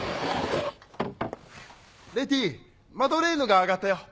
レティーマドレーヌが上がったよ。